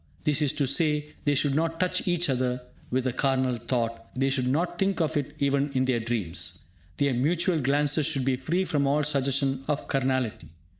That is to say, they should not touch each other with a carnal thought, they should not think of it even in their dreams. Their mutual glances should be free from all suggestion of carnality.